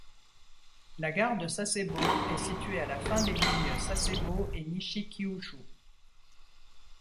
La gare de Sasebo est située à la fin des lignes Sasebo et Nishi-Kyūshū.